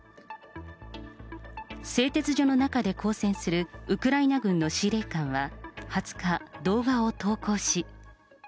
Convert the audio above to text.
製鉄所の中で抗戦するウクライナ軍の司令官は、２０日、動画を投稿し。